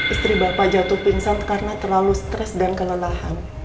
istri bapak jatuh pingsan karena terlalu stres dan kelelahan